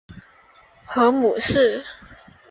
母何氏。